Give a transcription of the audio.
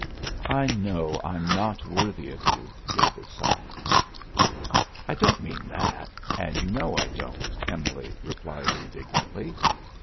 "I know I'm not worthy of you," David sighed. "I don't mean that, and you know I don't," Emily replied indignantly.